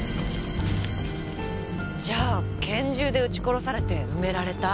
じゃあ拳銃で撃ち殺されて埋められた？